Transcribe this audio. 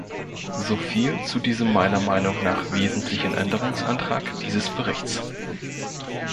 Soviel zu diesem meiner Meinung nach wesentlichen Änderungsantrag dieses Berichts.